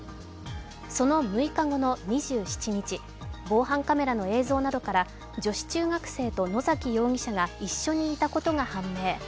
その６日後の２７日防犯カメラの映像などから女子中学生と野崎容疑者が一緒にいたことが判明。